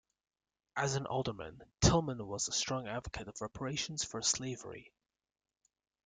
As an Alderman, Tillman was a strong advocate of reparations for slavery.